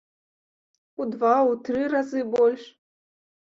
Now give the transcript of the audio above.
У два, у тры разы больш?